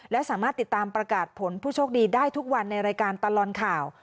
และสามารถติดตามประกาศผลผู้โชคดีได้ทุกวันในรายการตลอดข่าว